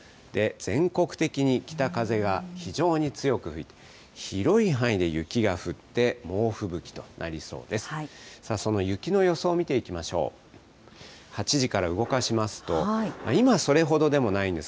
全国的に北風が非常に強く吹いて、広い範囲で雪が降って、猛吹雪となりそうです。